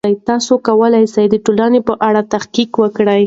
تاسې کولای سئ د ټولنې په اړه تحقیق وکړئ.